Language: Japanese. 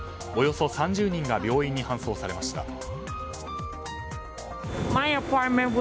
およそ３０人が病院に搬送されました。